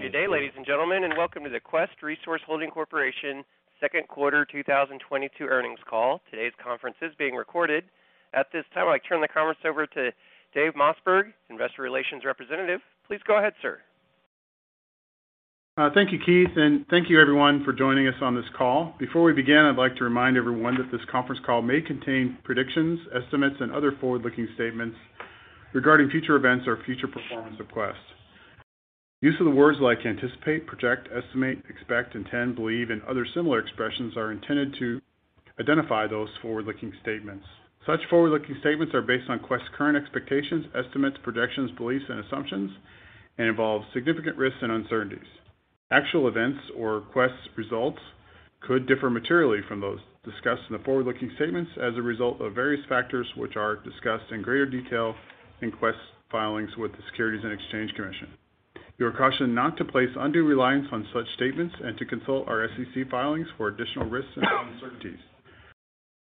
Good day, ladies and gentlemen, and welcome to the Quest Resource Holding Corporation second quarter 2022 earnings call. Today's conference is being recorded. At this time, I'd like to turn the conference over to Dave Mossberg, Investor Relations Representative. Please go ahead, sir. Thank you, Keith, and thank you everyone for joining us on this call. Before we begin, I'd like to remind everyone that this conference call may contain predictions, estimates, and other forward-looking statements regarding future events or future performance of Quest. Use of the words like anticipate, project, estimate, expect, intend, believe, and other similar expressions are intended to identify those forward-looking statements. Such forward-looking statements are based on Quest's current expectations, estimates, projections, beliefs, and assumptions, and involve significant risks and uncertainties. Actual events or Quest's results could differ materially from those discussed in the forward-looking statements as a result of various factors, which are discussed in greater detail in Quest's filings with the Securities and Exchange Commission. You are cautioned not to place undue reliance on such statements and to consult our SEC filings for additional risks and uncertainties.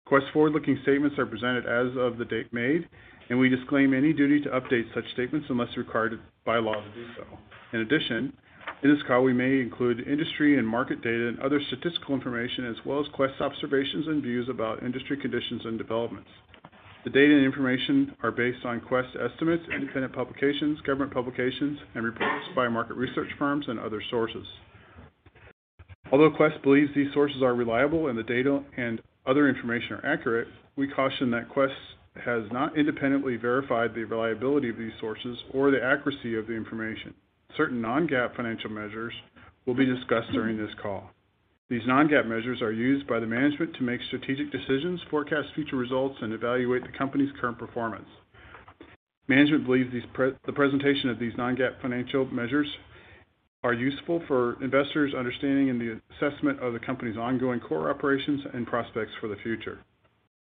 Quest's forward-looking statements are presented as of the date made, and we disclaim any duty to update such statements unless required by law to do so. In addition, in this call, we may include industry and market data and other statistical information, as well as Quest's observations and views about industry conditions and developments. The data and information are based on Quest estimates, independent publications, government publications, and reports by market research firms and other sources. Although Quest believes these sources are reliable and the data and other information are accurate, we caution that Quest has not independently verified the reliability of these sources or the accuracy of the information. Certain non-GAAP financial measures will be discussed during this call. These non-GAAP measures are used by the management to make strategic decisions, forecast future results, and evaluate the company's current performance. Management believes the presentation of these non-GAAP financial measures are useful for investors' understanding in the assessment of the company's ongoing core operations and prospects for the future.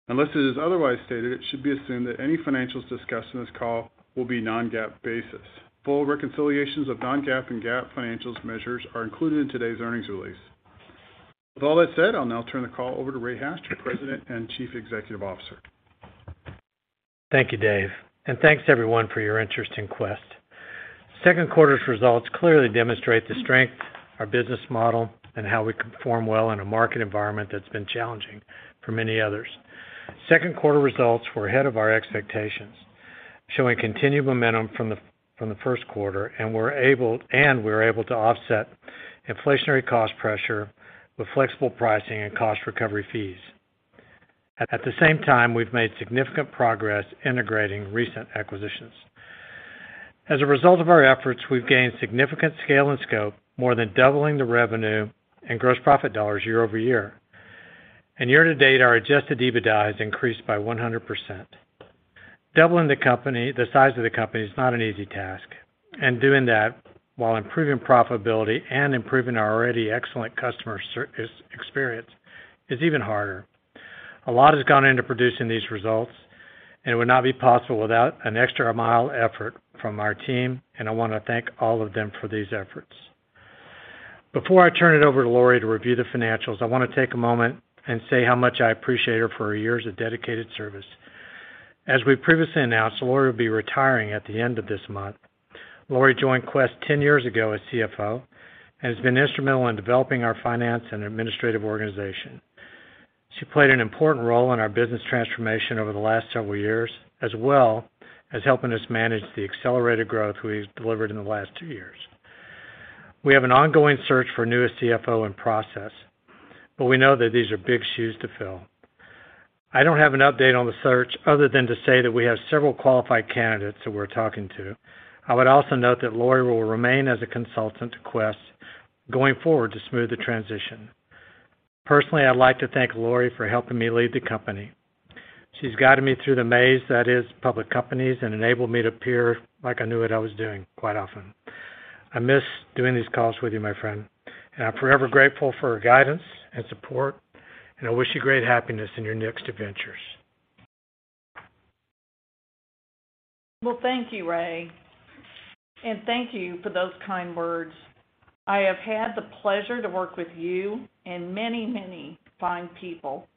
Unless it is otherwise stated, it should be assumed that any financials discussed in this call will be non-GAAP basis. Full reconciliations of non-GAAP and GAAP financial measures are included in today's earnings release. With all that said, I'll now turn the call over to Ray Hatch, the President and Chief Executive Officer. Thank you, Dave, and thanks everyone for your interest in Quest. Second quarter's results clearly demonstrate the strength of our business model and how we perform well in a market environment that's been challenging for many others. Second quarter results were ahead of our expectations, showing continued momentum from the first quarter, and we were able to offset inflationary cost pressure with flexible pricing and cost recovery fees. At the same time, we've made significant progress integrating recent acquisitions. As a result of our efforts, we've gained significant scale and scope, more than doubling the revenue and gross profit dollars year-over-year. Year to date, our Adjusted EBITDA has increased by 100%. Doubling the size of the company is not an easy task, and doing that while improving profitability and improving our already excellent customer experience is even harder. A lot has gone into producing these results, and it would not be possible without an extra mile effort from our team, and I wanna thank all of them for these efforts. Before I turn it over to Laurie to review the financials, I wanna take a moment and say how much I appreciate her for her years of dedicated service. As we previously announced, Laurie will be retiring at the end of this month. Laurie joined Quest 10 years ago as CFO and has been instrumental in developing our finance and administrative organization. She played an important role in our business transformation over the last several years, as well as helping us manage the accelerated growth we've delivered in the last two years. We have an ongoing search for a new CFO in process, but we know that these are big shoes to fill. I don't have an update on the search other than to say that we have several qualified candidates who we're talking to. I would also note that Laurie will remain as a consultant to Quest going forward to smooth the transition. Personally, I'd like to thank Laurie for helping me lead the company. She's guided me through the maze that is public companies and enabled me to appear like I knew what I was doing quite often. I miss doing these calls with you, my friend, and I'm forever grateful for her guidance and support, and I wish you great happiness in your next adventures. Well, thank you, Ray, and thank you for those kind words. I have had the pleasure to work with you and many fine people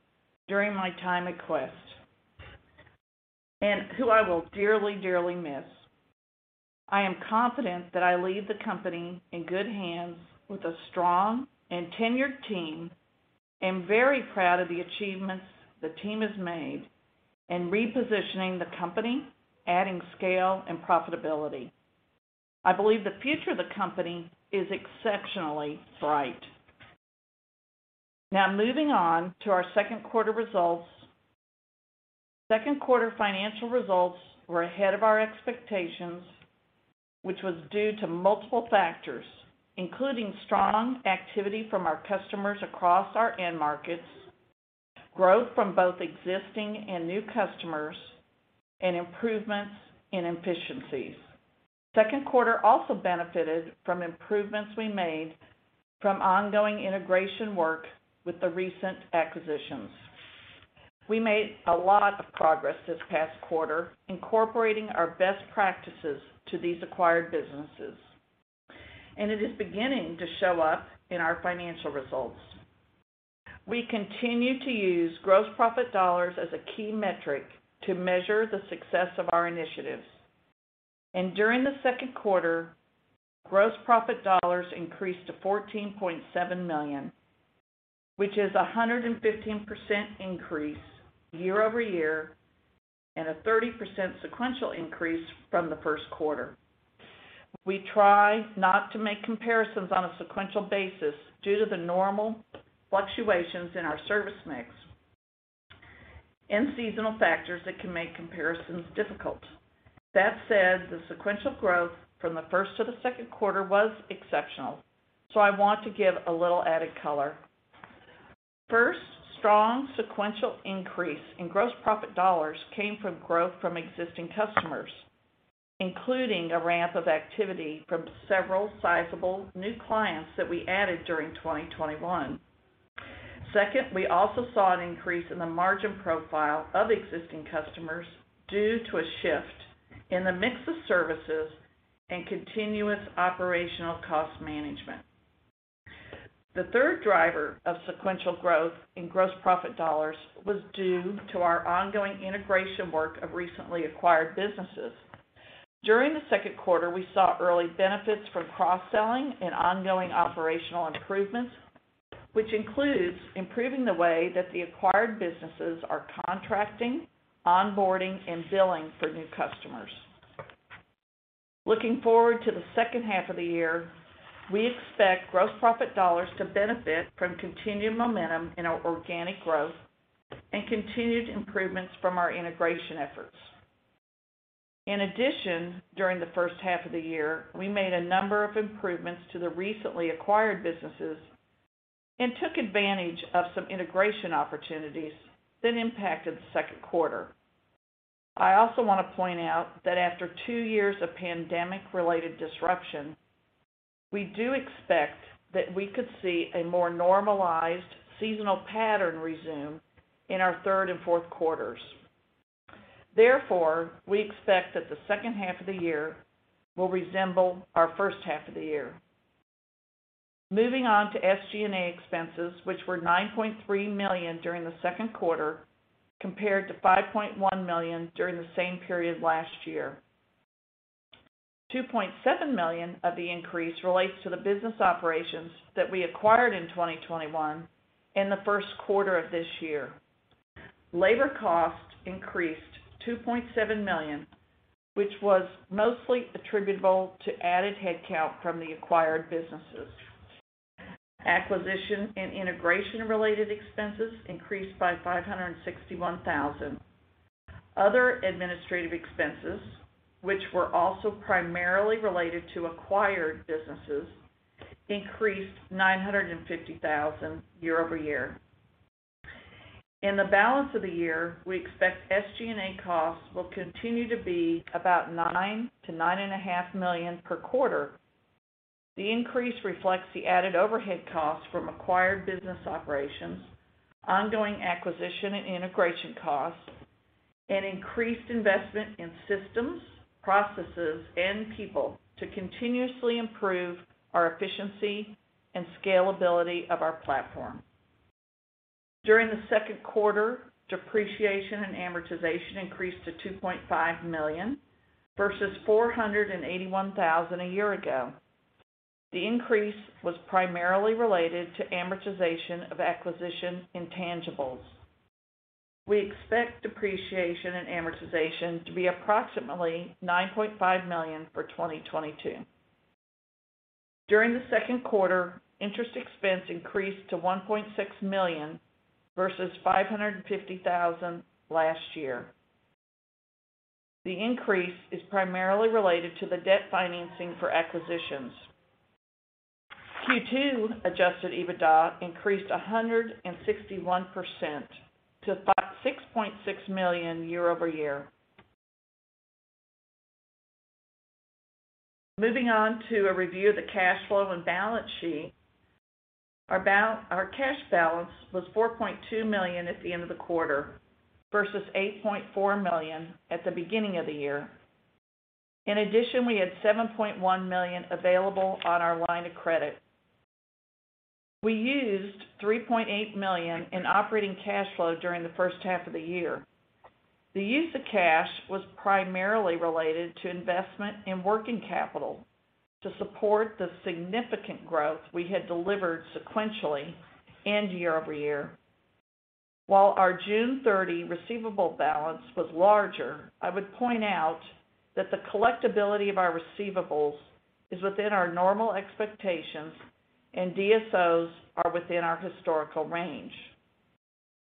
during my time at Quest, and who I will dearly miss. I am confident that I leave the company in good hands with a strong and tenured team. I am very proud of the achievements the team has made in repositioning the company, adding scale and profitability. I believe the future of the company is exceptionally bright. Now, moving on to our second quarter results. Second quarter financial results were ahead of our expectations, which was due to multiple factors, including strong activity from our customers across our end markets, growth from both existing and new customers, and improvements in efficiencies. Second quarter also benefited from improvements we made from ongoing integration work with the recent acquisitions. We made a lot of progress this past quarter incorporating our best practices to these acquired businesses, and it is beginning to show up in our financial results. We continue to use gross profit dollars as a key metric to measure the success of our initiatives. During the second quarter, gross profit dollars increased to $14.7 million, which is a 115% increase year-over-year and a 30% sequential increase from the first quarter. We try not to make comparisons on a sequential basis due to the normal fluctuations in our service mix and seasonal factors that can make comparisons difficult. That said, the sequential growth from the first to the second quarter was exceptional, so I want to give a little added color. First, strong sequential increase in gross profit dollars came from growth from existing customers, including a ramp of activity from several sizable new clients that we added during 2021. Second, we also saw an increase in the margin profile of existing customers due to a shift in the mix of services and continuous operational cost management. The third driver of sequential growth in gross profit dollars was due to our ongoing integration work of recently acquired businesses. During the second quarter, we saw early benefits from cross-selling and ongoing operational improvements, which includes improving the way that the acquired businesses are contracting, onboarding, and billing for new customers. Looking forward to the second half of the year, we expect gross profit dollars to benefit from continued momentum in our organic growth and continued improvements from our integration efforts. In addition, during the first half of the year, we made a number of improvements to the recently acquired businesses and took advantage of some integration opportunities that impacted the second quarter. I also wanna point out that after two years of pandemic-related disruption, we do expect that we could see a more normalized seasonal pattern resume in our third and fourth quarters. Therefore, we expect that the second half of the year will resemble our first half of the year. Moving on to SG&A expenses, which were $9.3 million during the second quarter compared to $5.1 million during the same period last year. $2.7 million of the increase relates to the business operations that we acquired in 2021 and the first quarter of this year. Labor costs increased $2.7 million, which was mostly attributable to added headcount from the acquired businesses. Acquisition and integration related expenses increased by $561 thousand. Other administrative expenses, which were also primarily related to acquired businesses, increased $950 thousand year-over-year. In the balance of the year, we expect SG&A costs will continue to be about $9-$9.5 million per quarter. The increase reflects the added overhead costs from acquired business operations, ongoing acquisition and integration costs, and increased investment in systems, processes, and people to continuously improve our efficiency and scalability of our platform. During the second quarter, depreciation and amortization increased to $2.5 million versus $481 thousand a year ago. The increase was primarily related to amortization of acquisition intangibles. We expect depreciation and amortization to be approximately $9.5 million for 2022. During the second quarter, interest expense increased to $1.6 million versus $550,000 last year. The increase is primarily related to the debt financing for acquisitions. Q2 adjusted EBITDA increased 161%-$6.6 million year-over-year. Moving on to a review of the cash flow and balance sheet. Our cash balance was $4.2 million at the end of the quarter versus $8.4 million at the beginning of the year. In addition, we had $7.1 million available on our line of credit. We used $3.8 million in operating cash flow during the first half of the year. The use of cash was primarily related to investment in working capital to support the significant growth we had delivered sequentially and year-over-year. While our June 30 receivable balance was larger, I would point out that the collectibility of our receivables is within our normal expectations and DSOs are within our historical range.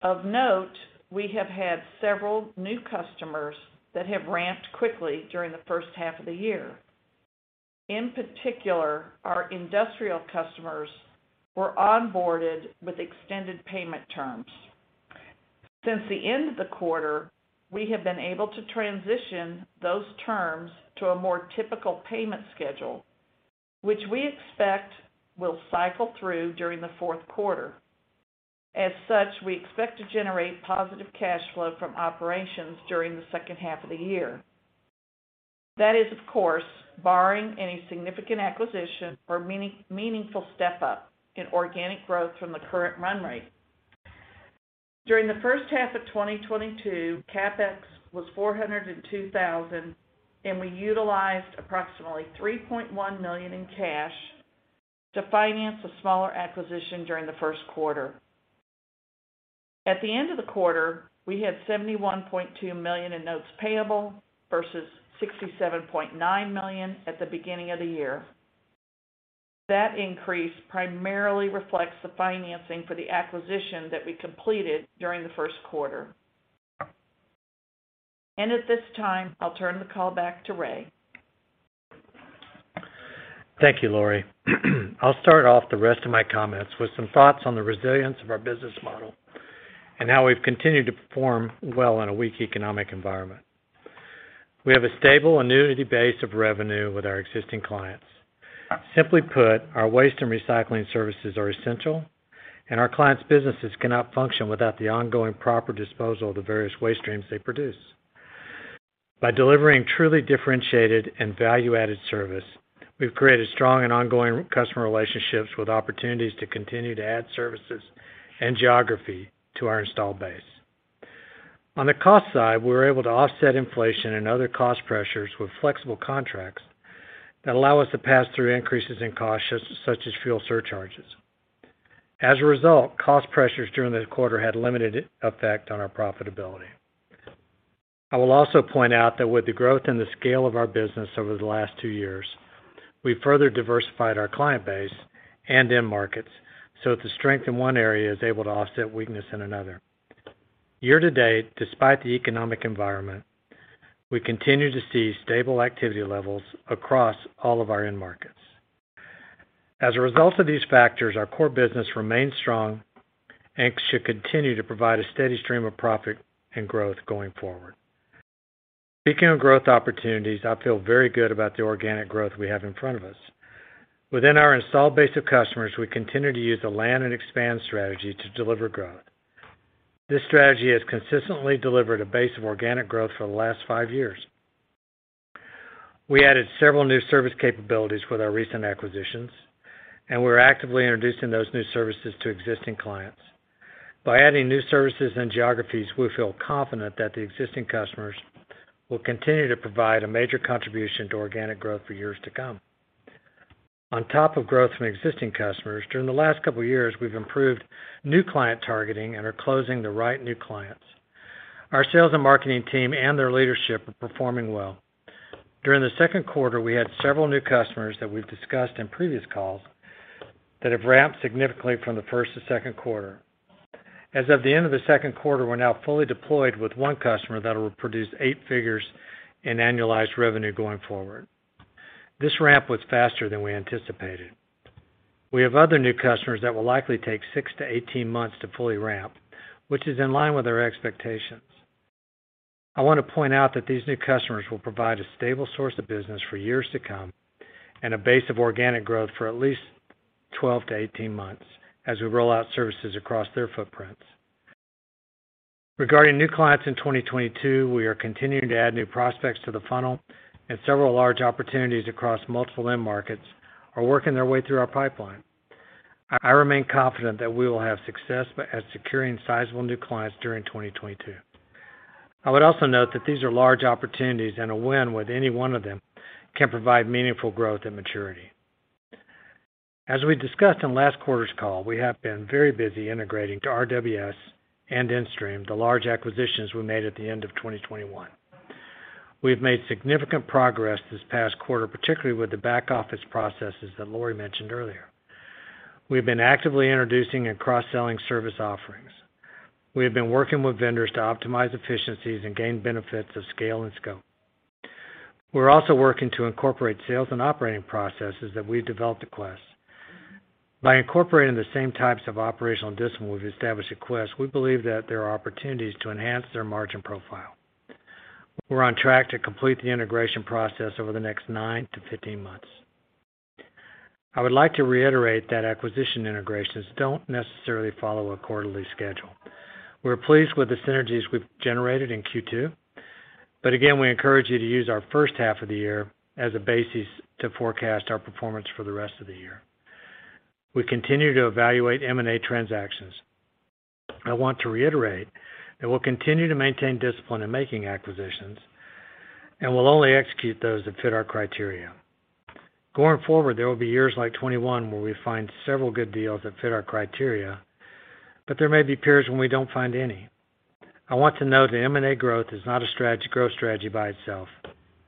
Of note, we have had several new customers that have ramped quickly during the first half of the year. In particular, our industrial customers were onboarded with extended payment terms. Since the end of the quarter, we have been able to transition those terms to a more typical payment schedule, which we expect will cycle through during the fourth quarter. As such, we expect to generate positive cash flow from operations during the second half of the year. That is, of course, barring any significant acquisition or meaningful step-up in organic growth from the current run rate. During the first half of 2022, CapEx was $402,000, and we utilized approximately $3.1 million in cash to finance a smaller acquisition during the first quarter. At the end of the quarter, we had $71.2 million in notes payable versus $67.9 million at the beginning of the year. That increase primarily reflects the financing for the acquisition that we completed during the first quarter. At this time, I'll turn the call back to Ray. Thank you, Laurie. I'll start off the rest of my comments with some thoughts on the resilience of our business model and how we've continued to perform well in a weak economic environment. We have a stable annuity base of revenue with our existing clients. Simply put, our waste and recycling services are essential, and our clients' businesses cannot function without the ongoing proper disposal of the various waste streams they produce. By delivering truly differentiated and value-added service, we've created strong and ongoing customer relationships with opportunities to continue to add services and geography to our installed base. On the cost side, we were able to offset inflation and other cost pressures with flexible contracts that allow us to pass through increases in costs such as fuel surcharges. As a result, cost pressures during the quarter had limited effect on our profitability. I will also point out that with the growth and the scale of our business over the last 2 years, we've further diversified our client base and end markets, so that the strength in one area is able to offset weakness in another. Year-to-date, despite the economic environment, we continue to see stable activity levels across all of our end markets. As a result of these factors, our core business remains strong and should continue to provide a steady stream of profit and growth going forward. Speaking of growth opportunities, I feel very good about the organic growth we have in front of us. Within our installed base of customers, we continue to use the land and expand strategy to deliver growth. This strategy has consistently delivered a base of organic growth for the last five years. We added several new service capabilities with our recent acquisitions, and we're actively introducing those new services to existing clients. By adding new services and geographies, we feel confident that the existing customers will continue to provide a major contribution to organic growth for years to come. On top of growth from existing customers, during the last couple years, we've improved new client targeting and are closing the right new clients. Our sales and marketing team and their leadership are performing well. During the second quarter, we had several new customers that we've discussed in previous calls that have ramped significantly from the first to second quarter. As of the end of the second quarter, we're now fully deployed with one customer that will produce eight figures in annualized revenue going forward. This ramp was faster than we anticipated. We have other new customers that will likely take 6-18 months to fully ramp, which is in line with our expectations. I want to point out that these new customers will provide a stable source of business for years to come and a base of organic growth for at least 12-18 months as we roll out services across their footprints. Regarding new clients in 2022, we are continuing to add new prospects to the funnel, and several large opportunities across multiple end markets are working their way through our pipeline. I remain confident that we will have success at securing sizable new clients during 2022. I would also note that these are large opportunities, and a win with any one of them can provide meaningful growth and maturity. As we discussed on last quarter's call, we have been very busy integrating RWS and InStream, the large acquisitions we made at the end of 2021. We have made significant progress this past quarter, particularly with the back office processes that Laurie mentioned earlier. We've been actively introducing and cross-selling service offerings. We have been working with vendors to optimize efficiencies and gain benefits of scale and scope. We're also working to incorporate sales and operating processes that we've developed at Quest. By incorporating the same types of operational discipline we've established at Quest, we believe that there are opportunities to enhance their margin profile. We're on track to complete the integration process over the next 9-15 months. I would like to reiterate that acquisition integrations don't necessarily follow a quarterly schedule. We're pleased with the synergies we've generated in Q2, but again, we encourage you to use our first half of the year as a basis to forecast our performance for the rest of the year. We continue to evaluate M&A transactions. I want to reiterate that we'll continue to maintain discipline in making acquisitions, and we'll only execute those that fit our criteria. Going forward, there will be years like 2021 where we find several good deals that fit our criteria, but there may be periods when we don't find any. I want to note that M&A growth is not a strategy, growth strategy by itself.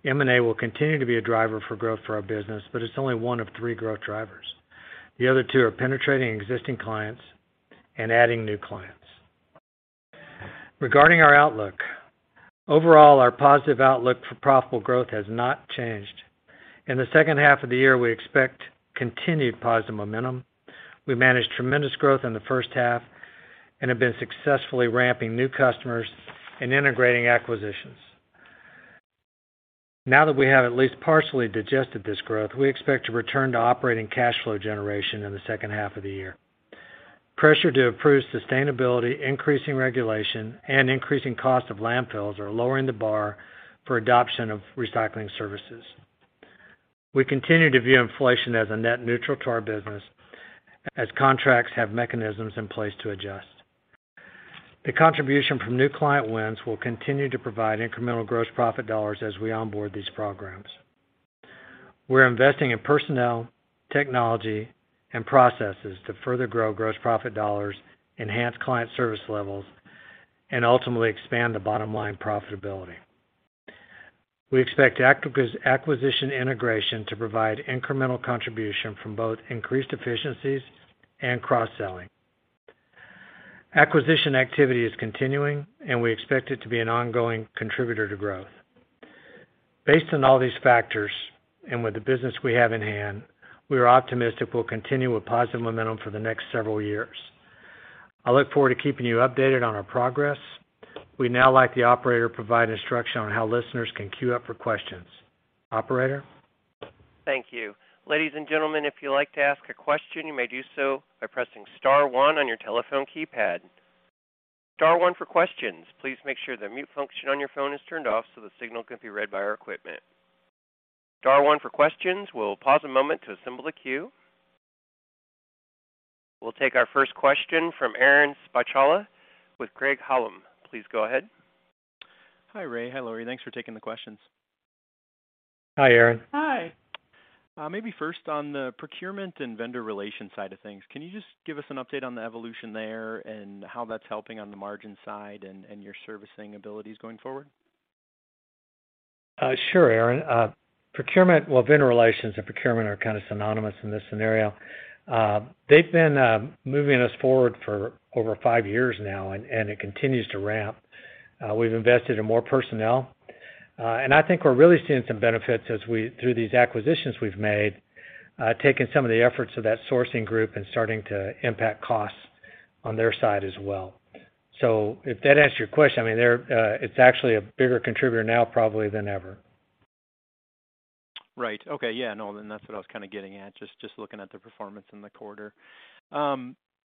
M&A will continue to be a driver for growth for our business, but it's only one of three growth drivers. The other two are penetrating existing clients and adding new clients. Regarding our outlook, overall, our positive outlook for profitable growth has not changed. In the second half of the year, we expect continued positive momentum. We managed tremendous growth in the first half and have been successfully ramping new customers and integrating acquisitions. Now that we have at least partially digested this growth, we expect to return to operating cash flow generation in the second half of the year. Pressure to improve sustainability, increasing regulation, and increasing cost of landfills are lowering the bar for adoption of recycling services. We continue to view inflation as a net neutral to our business, as contracts have mechanisms in place to adjust. The contribution from new client wins will continue to provide incremental gross profit dollars as we onboard these programs. We're investing in personnel, technology, and processes to further grow gross profit dollars, enhance client service levels, and ultimately expand the bottom line profitability. We expect acquisition integration to provide incremental contribution from both increased efficiencies and cross-selling. Acquisition activity is continuing, and we expect it to be an ongoing contributor to growth. Based on all these factors, and with the business we have in hand, we are optimistic we'll continue with positive momentum for the next several years. I look forward to keeping you updated on our progress. We'd now like the operator to provide instruction on how listeners can queue up for questions. Operator? Thank you. Ladies and gentlemen, if you'd like to ask a question, you may do so by pressing star one on your telephone keypad. Star one for questions. Please make sure the mute function on your phone is turned off so the signal can be read by our equipment. Star one for questions. We'll pause a moment to assemble the queue. We'll take our first question from Aaron Spychalla with Craig-Hallum. Please go ahead. Hi, Ray. Hi, Laurie. Thanks for taking the questions. Hi, Aaron. Hi. Maybe first on the procurement and vendor relation side of things, can you just give us an update on the evolution there and how that's helping on the margin side and your servicing abilities going forward? Sure, Aaron. Procurement. Well, vendor relations and procurement are kind of synonymous in this scenario. They've been moving us forward for over five years now and it continues to ramp. We've invested in more personnel. I think we're really seeing some benefits through these acquisitions we've made, taking some of the efforts of that sourcing group and starting to impact costs on their side as well. If that answers your question, I mean, it's actually a bigger contributor now probably than ever. Right. Okay. Yeah, no, that's what I was kinda getting at, just looking at the performance in the quarter.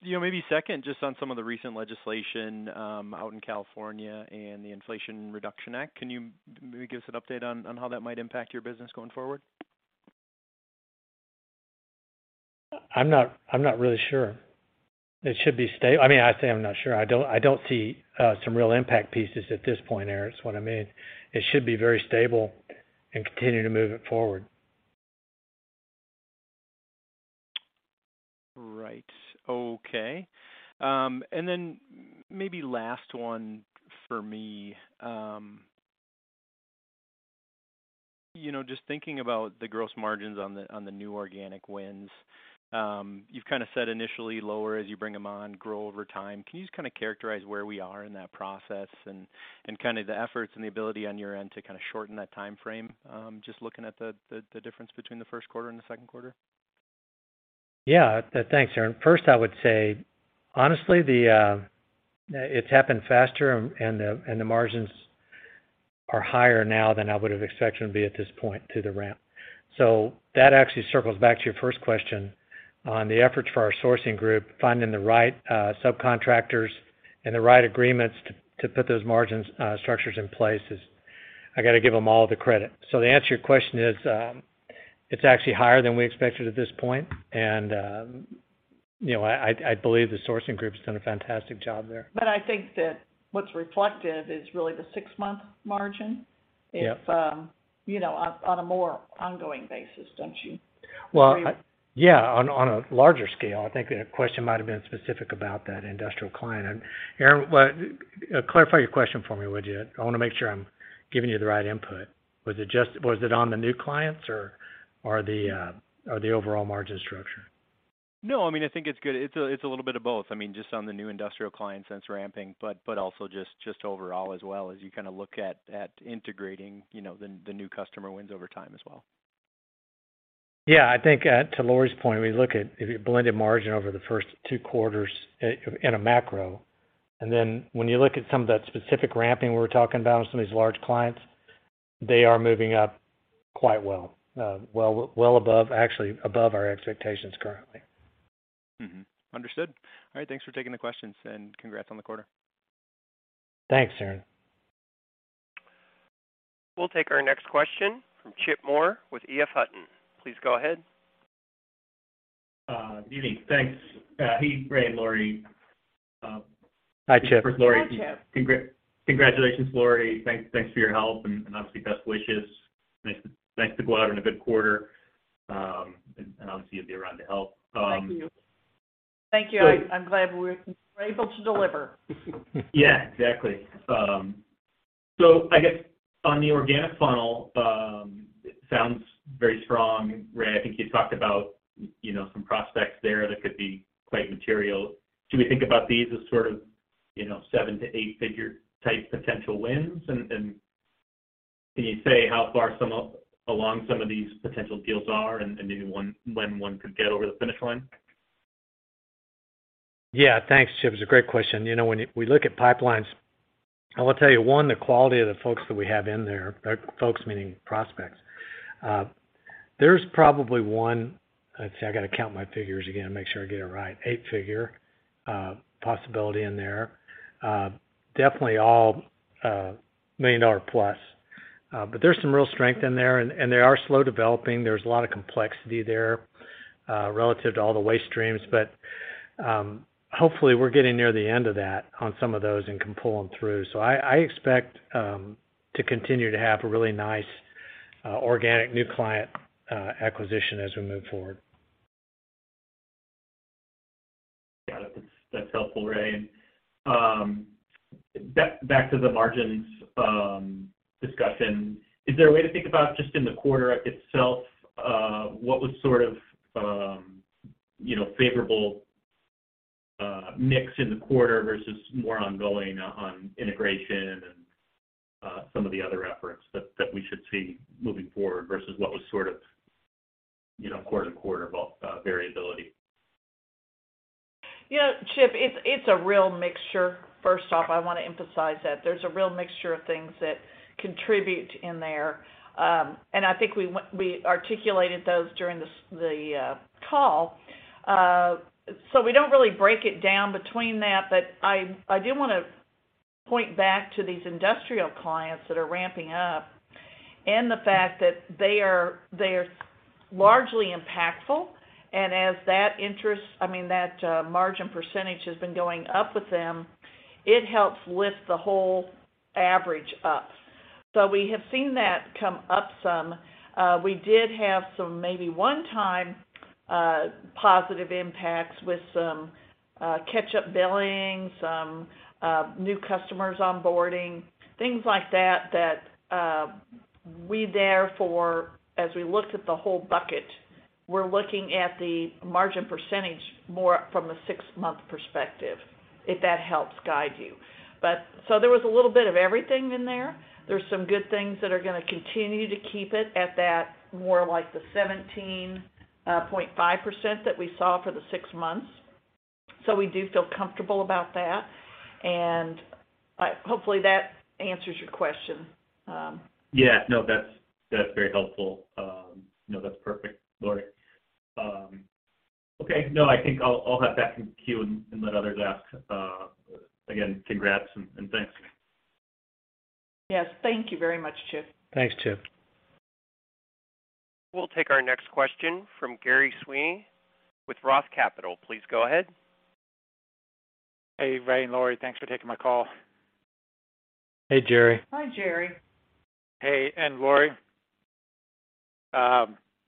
You know, maybe second, just on some of the recent legislation out in California and the Inflation Reduction Act, can you maybe give us an update on how that might impact your business going forward? I'm not really sure. I mean, I say I'm not sure. I don't see some real impact pieces at this point, Aaron. That's what I mean. It should be very stable and continue to move it forward. Right. Okay. Maybe last one for me. You know, just thinking about the gross margins on the new organic wins, you've kinda said initially lower as you bring them on, grow over time. Can you just kinda characterize where we are in that process and kinda the efforts and the ability on your end to kinda shorten that timeframe, just looking at the difference between the first quarter and the second quarter? Yeah. Thanks, Aaron. First, I would say, honestly, it's happened faster and the margins are higher now than I would have expected them to be at this point through the ramp. That actually circles back to your first question on the efforts for our sourcing group, finding the right subcontractors and the right agreements to put those margins structures in place is. I gotta give them all the credit. The answer to your question is, it's actually higher than we expected at this point. You know, I believe the sourcing group's done a fantastic job there. I think that what's reflective is really the six-month margin. Yeah. If you know, on a more ongoing basis, don't you agree? Well, yeah, on a larger scale. I think the question might have been specific about that industrial client. Aaron, clarify your question for me, would you? I wanna make sure I'm giving you the right input. Was it on the new clients or the overall margin structure? No, I mean, I think it's good. It's a little bit of both. I mean, just on the new industrial clients since ramping, but also just overall as well as you kinda look at integrating, you know, the new customer wins over time as well. Yeah. I think to Laurie's point, we look at if you blended margin over the first two quarters in a macro, and then when you look at some of that specific ramping we're talking about on some of these large clients, they are moving up quite well, well above, actually above our expectations currently. Understood. All right, thanks for taking the questions, and congrats on the quarter. Thanks, Aaron. We'll take our next question from Chip Moore with EF Hutton. Please go ahead. Good evening. Thanks, Keith, Ray, and Laurie. Hi, Chip. Hi, Chip. Congratulations, Laurie. Thanks for your help and obviously best wishes. Nice to go out on a good quarter. Obviously you'll be around to help. Thank you. I'm glad we're able to deliver. Yeah, exactly. I guess on the organic funnel, it sounds very strong. Ray, I think you talked about, you know, some prospects there that could be quite material. Do we think about these as sort of, you know, 7- 8-figure type potential wins? Can you say how far along some of these potential deals are and maybe when one could get over the finish line? Yeah. Thanks, Chip. It's a great question. You know, when we look at pipelines. I will tell you, one, the quality of the folks that we have in there, folks meaning prospects, there's probably one. Let's see, I got to count my figures again, make sure I get it right. Eight-figure possibility in there. Definitely all million-dollar plus. But there's some real strength in there, and they are slow developing. There's a lot of complexity there relative to all the waste streams. But hopefully, we're getting near the end of that on some of those and can pull them through. I expect to continue to have a really nice organic new client acquisition as we move forward. Yeah, that's helpful, Ray. Back to the margins discussion. Is there a way to think about just in the quarter itself, what was sort of you know, favorable mix in the quarter versus more ongoing on integration and some of the other efforts that we should see moving forward versus what was sort of you know, quarter-to-quarter variability? You know, Chip, it's a real mixture. First off, I want to emphasize that there's a real mixture of things that contribute in there. I think we articulated those during the call. We don't really break it down between that, but I do wanna point back to these industrial clients that are ramping up and the fact that they are largely impactful. As that interest, I mean, that margin percentage has been going up with them, it helps lift the whole average up. We have seen that come up some. We did have some maybe one-time positive impacts with some catch-up billing, some new customers onboarding, things like that that we therefore, as we looked at the whole bucket, we're looking at the margin percentage more from a six-month perspective, if that helps guide you. There was a little bit of everything in there. There's some good things that are gonna continue to keep it at that more like the 17.5% that we saw for the six months. We do feel comfortable about that. Hopefully, that answers your question. Yeah. No, that's very helpful. No, that's perfect, Laurie. Okay. No, I think I'll hop back in the queue and let others ask. Again, congrats and thanks. Yes, thank you very much, Chip. Thanks, Chip. We'll take our next question from Gerry Sweeney with Roth Capital. Please go ahead. Hey, Ray and Laurie. Thanks for taking my call. Hey, Gerry. Hi, Gerry. Hey, Laurie.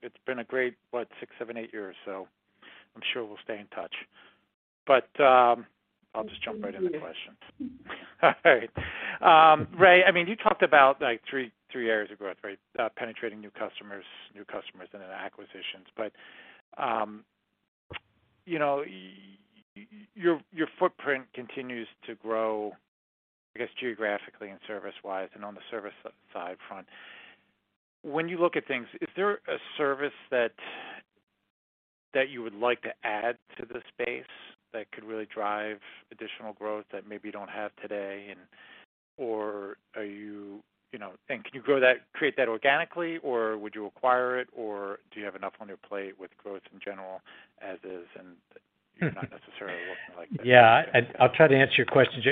It's been a great 6, 7, 8 years, so I'm sure we'll stay in touch. I'll just jump right into the question. All right. Ray, I mean, you talked about, like, 3 areas of growth, right? Penetrating new customers and then acquisitions. You know, your footprint continues to grow, I guess, geographically and service-wise and on the services side front. When you look at things, is there a service that you would like to add to the space that could really drive additional growth that maybe you don't have today and or are you know. Can you grow that, create that organically, or would you acquire it, or do you have enough on your plate with growth in general as is, and you're not necessarily looking like that? Yeah. I'll try to answer your question.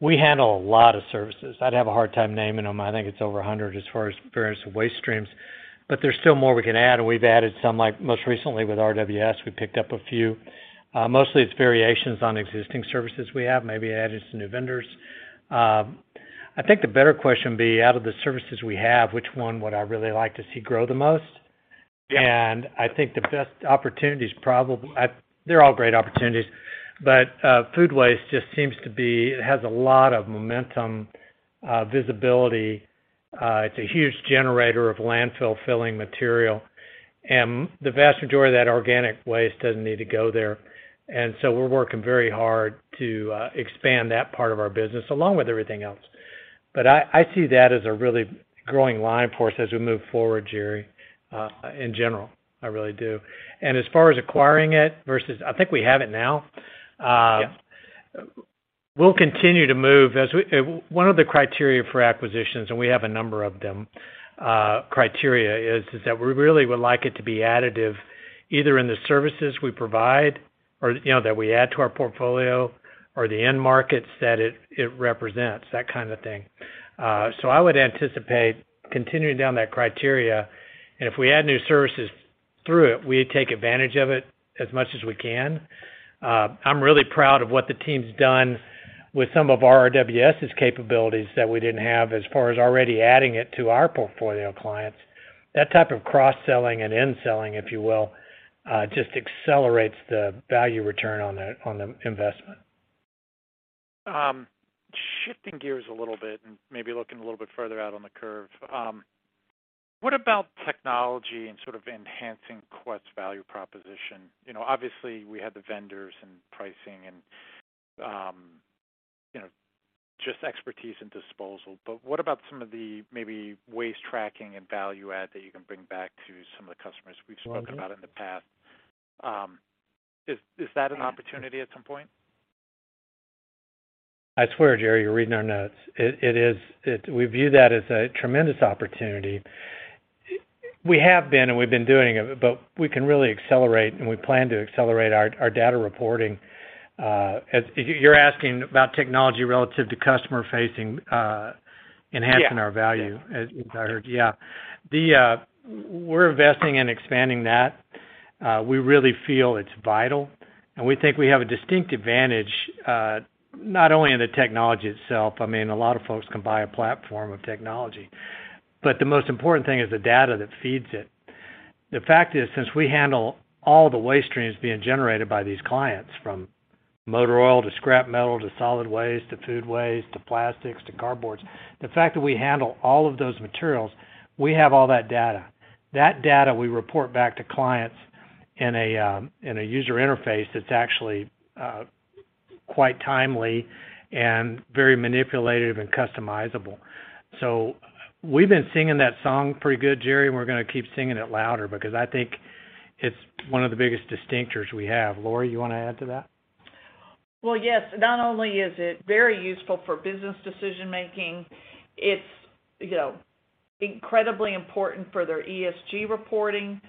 We handle a lot of services. I'd have a hard time naming them. I think it's over a hundred as far as various waste streams, but there's still more we can add, and we've added some, like most recently with RWS, we picked up a few. Mostly it's variations on existing services we have, maybe adding some new vendors. I think the better question would be, out of the services we have, which one would I really like to see grow the most? Yeah. I think the best opportunity is probably. They're all great opportunities, but, food waste just seems to be, it has a lot of momentum, visibility. It's a huge generator of landfill filling material. The vast majority of that organic waste doesn't need to go there. We're working very hard to expand that part of our business along with everything else. I see that as a really growing line for us as we move forward, Gerry, in general, I really do. As far as acquiring it versus. I think we have it now. Yeah. One of the criteria for acquisitions, and we have a number of them, is that we really would like it to be additive, either in the services we provide or, you know, that we add to our portfolio or the end markets that it represents, that kind of thing. I would anticipate continuing down that criteria. If we add new services through it, we take advantage of it as much as we can. I'm really proud of what the team's done with some of our RWS's capabilities that we didn't have as far as already adding it to our portfolio clients. That type of cross-selling and end selling, if you will, just accelerates the value return on the investment. Shifting gears a little bit and maybe looking a little bit further out on the curve, what about technology and sort of enhancing Quest's value proposition? You know, obviously, we have the vendors and pricing and, you know, just expertise and disposal. But what about some of the maybe waste tracking and value add that you can bring back to some of the customers we've spoken about in the past? Is that an opportunity at some point? I swear, Gerry, you're reading our notes. It is. We view that as a tremendous opportunity. We've been doing it, but we can really accelerate, and we plan to accelerate our data reporting. You're asking about technology relative to customer-facing. Yeah. Enhancing our value as I heard. Yeah. We're investing in expanding that. We really feel it's vital, and we think we have a distinct advantage, not only in the technology itself. I mean, a lot of folks can buy a platform of technology, but the most important thing is the data that feeds it. The fact is, since we handle all the waste streams being generated by these clients, from motor oil to scrap metal to solid waste to food waste to plastics to cardboard, the fact that we handle all of those materials, we have all that data. That data we report back to clients in a user interface that's actually quite timely and very manipulable and customizable. We've been singing that song pretty good, Jerry, and we're gonna keep singing it louder because I think it's one of the biggest distinctors we have. Laurie, you wanna add to that? Well, yes. Not only is it very useful for business decision-making, it's, you know, incredibly important for their ESG reporting,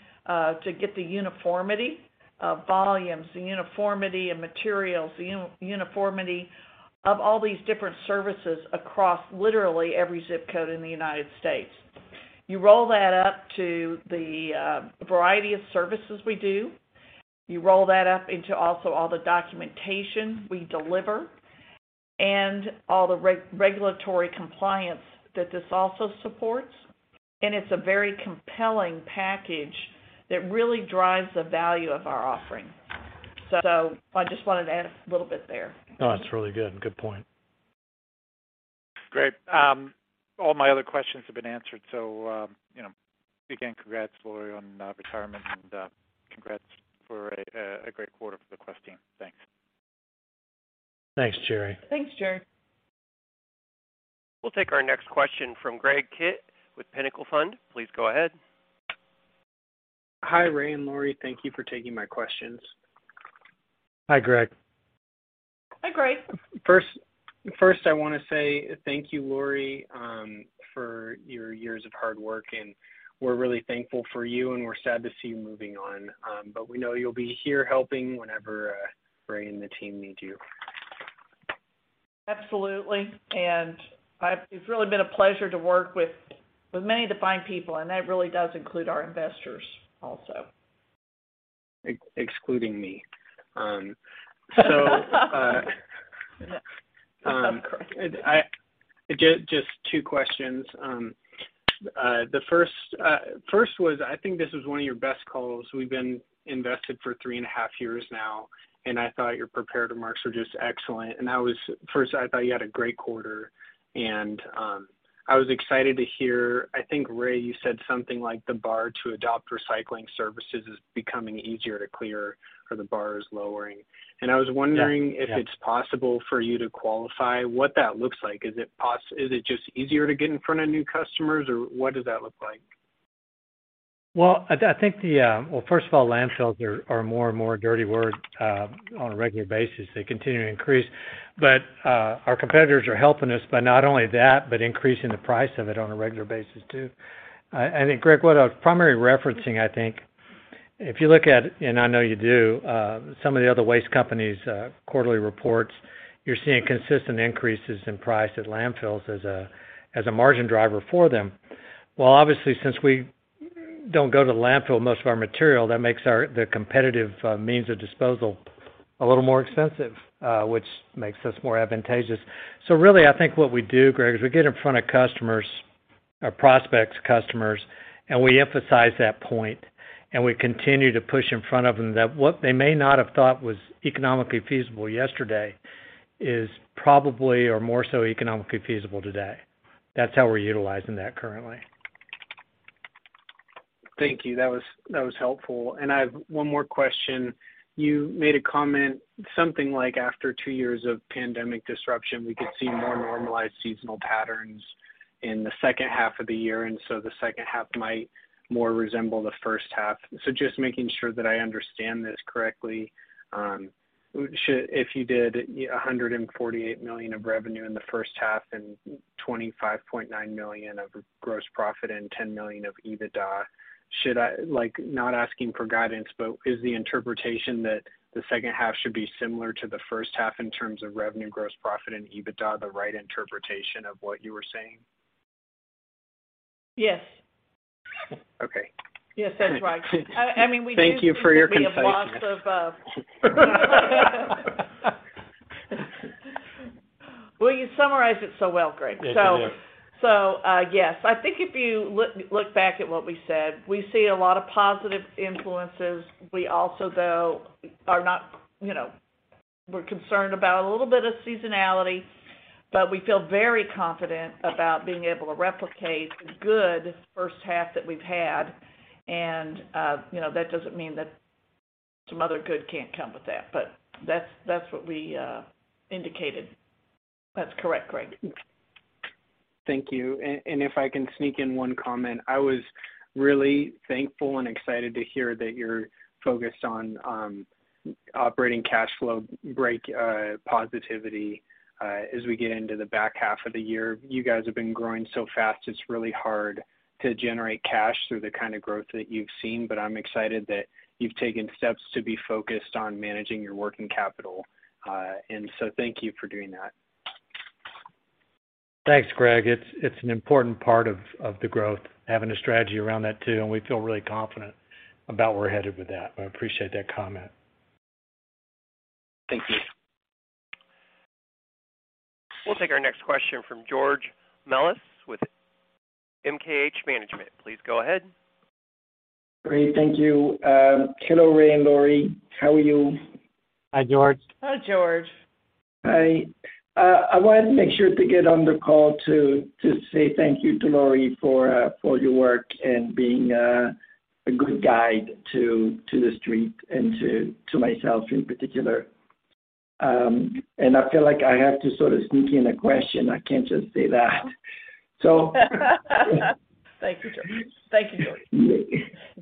to get the uniformity of volumes, the uniformity of materials, the uniformity of all these different services across literally every ZIP Code in the United States. You roll that up to the variety of services we do, you roll that up into also all the documentation we deliver and all the regulatory compliance that this also supports, and it's a very compelling package that really drives the value of our offering. I just wanted to add a little bit there. No, it's really good. Good point. Great. All my other questions have been answered, so you know, again, congrats, Laurie, on retirement and congrats for a great quarter for the Quest team. Thanks. Thanks, Gerry. Thanks, Gerry. We'll take our next question from Greg Kitt with Pinnacle Fund. Please go ahead. Hi, Ray and Laurie. Thank you for taking my questions. Hi, Greg. Hi, Greg. First, I wanna say thank you, Laurie, for your years of hard work, and we're really thankful for you, and we're sad to see you moving on. We know you'll be here helping whenever Ray and the team need you. Absolutely. It's really been a pleasure to work with many fine people, and that really does include our investors also. Excluding me. Just two questions. The first was, I think this was one of your best calls. We've been invested for three and a half years now, and I thought your prepared remarks were just excellent. First, I thought you had a great quarter. I was excited to hear, I think, Ray, you said something like the bar to adopt recycling services is becoming easier to clear or the bar is lowering. Yeah. I was wondering. Yeah. If it's possible for you to qualify what that looks like. Is it just easier to get in front of new customers, or what does that look like? I think, well, first of all, landfills are more and more a dirty word on a regular basis. They continue to increase. Our competitors are helping us by not only that, but increasing the price of it on a regular basis too. Greg, what I was primarily referencing, I think, if you look at, and I know you do, some of the other waste companies' quarterly reports, you're seeing consistent increases in price at landfills as a margin driver for them. Well, obviously, since we don't go to the landfill, most of our material, that makes the competitive means of disposal a little more expensive, which makes us more advantageous. Really, I think what we do, Greg, is we get in front of customers or prospects customers, and we emphasize that point, and we continue to push in front of them that what they may not have thought was economically feasible yesterday is probably or more so economically feasible today. That's how we're utilizing that currently. Thank you. That was helpful. I've one more question. You made a comment, something like after two years of pandemic disruption, we could see more normalized seasonal patterns in the second half of the year, and so the second half might more resemble the first half. Just making sure that I understand this correctly. If you did $148 million of revenue in the first half and $25.9 million of gross profit and $10 million of EBITDA, should I, like, not asking for guidance, but is the interpretation that the second half should be similar to the first half in terms of revenue, gross profit, and EBITDA the right interpretation of what you were saying? Yes. Okay. Yes, that's right. I mean, we did. Thank you for your conciseness. seem to be a loss of. Well, you summarized it so well, Greg. Yes, we did. Yes. I think if you look back at what we said, we see a lot of positive influences. We also, though, are not, you know, we're concerned about a little bit of seasonality, but we feel very confident about being able to replicate the good first half that we've had. You know, that doesn't mean that some other good can't come with that. That's what we indicated. That's correct, Greg. Thank you. If I can sneak in one comment, I was really thankful and excited to hear that you're focused on operating cash flow breakeven positivity as we get into the back half of the year. You guys have been growing so fast, it's really hard to generate cash through the kind of growth that you've seen, but I'm excited that you've taken steps to be focused on managing your working capital. Thank you for doing that. Thanks, Greg. It's an important part of the growth, having a strategy around that too, and we feel really confident about where we're headed with that. I appreciate that comment. Thank you. We'll take our next question from George Melas with MKH Management. Please go ahead. Great. Thank you. Hello, Ray and Laurie. How are you? Hi, George. Hello, George. Hi. I wanted to make sure to get on the call to say thank you to Laurie Latham for your work and being a good guide to the street and to myself, in particular. I feel like I have to sort of sneak in a question. I can't just say that. Thank you, George.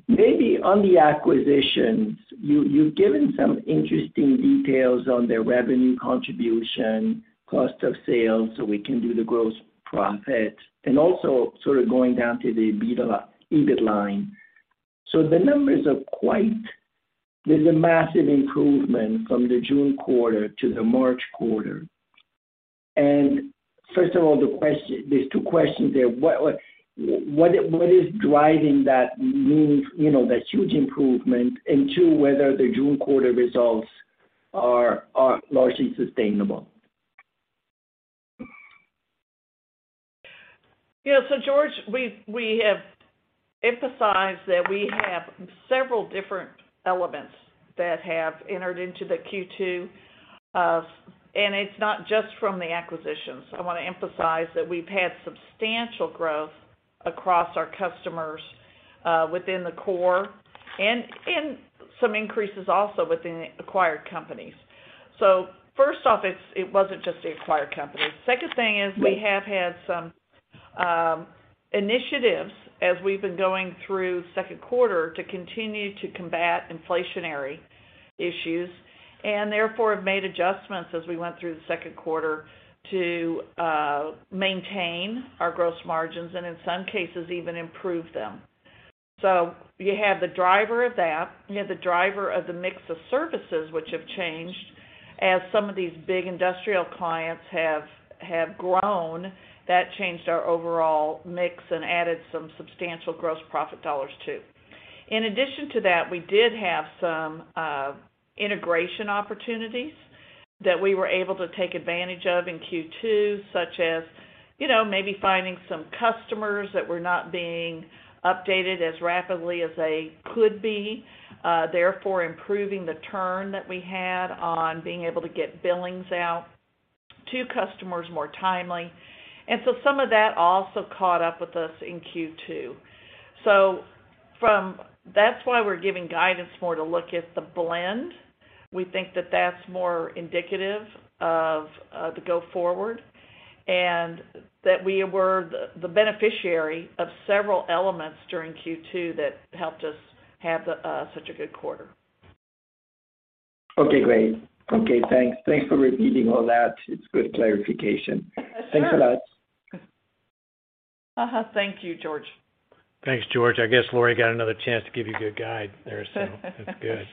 Maybe on the acquisitions, you've given some interesting details on the revenue contribution, cost of sales, so we can do the gross profit. Also sort of going down to the EBITDA line. The numbers are quite. There's a massive improvement from the March quarter to the June quarter. First of all, the question. There's two questions there. What is driving that, you know, that huge improvement, and two, whether the June quarter results are largely sustainable. Yeah. George, we have emphasized that we have several different elements that have entered into the Q2. It's not just from the acquisitions. I wanna emphasize that we've had substantial growth across our customers within the core and in some increases also within the acquired companies. First off, it wasn't just the acquired companies. Second thing is we have had some initiatives as we've been going through second quarter to continue to combat inflationary issues, and therefore have made adjustments as we went through the second quarter to maintain our gross margins, and in some cases, even improve them. You have the driver of that. You have the driver of the mix of services which have changed as some of these big industrial clients have grown. That changed our overall mix and added some substantial gross profit dollars, too. In addition to that, we did have some integration opportunities that we were able to take advantage of in Q2, such as, you know, maybe finding some customers that were not being updated as rapidly as they could be, therefore improving the turn that we had on being able to get billings out to customers more timely. Some of that also caught up with us in Q2. That's why we're giving guidance more to look at the blend. We think that that's more indicative of the go forward, and that we were the beneficiary of several elements during Q2 that helped us have such a good quarter. Okay, great. Okay, thanks. Thanks for repeating all that. It's good clarification. Sure. Thanks a lot. Thank you, George. Thanks, George. I guess Laurie got another chance to give you good guidance there, so that's good.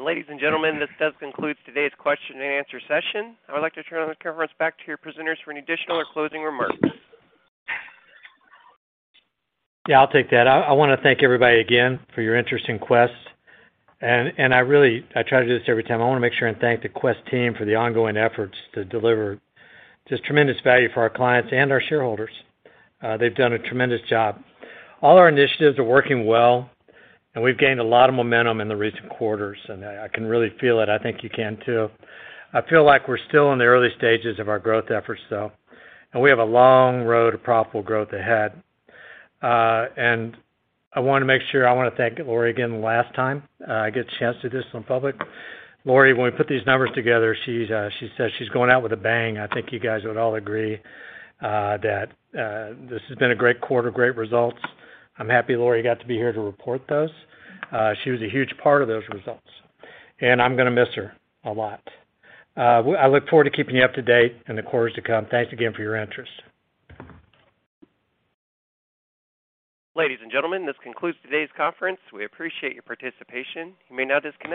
Ladies and gentlemen, this does conclude today's question and answer session. I'd like to turn the conference back to your presenters for any additional or closing remarks. Yeah, I'll take that. I wanna thank everybody again for your interest in Quest. I try to do this every time. I wanna make sure and thank the Quest team for the ongoing efforts to deliver just tremendous value for our clients and our shareholders. They've done a tremendous job. All our initiatives are working well, and we've gained a lot of momentum in the recent quarters, and I can really feel it. I think you can, too. I feel like we're still in the early stages of our growth efforts, though, and we have a long road of profitable growth ahead. I wanna make sure and thank Laurie again one last time. I get a chance to do this in public. Laurie, when we put these numbers together, she says she's going out with a bang. I think you guys would all agree that this has been a great quarter, great results. I'm happy Laurie got to be here to report those. She was a huge part of those results. I'm gonna miss her a lot. I look forward to keeping you up to date in the quarters to come. Thanks again for your interest. Ladies and gentlemen, this concludes today's conference. We appreciate your participation. You may now disconnect.